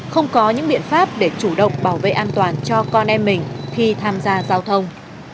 không có những biện pháp để chủ động bảo vệ an toàn cho con em mình khi tham gia giao thông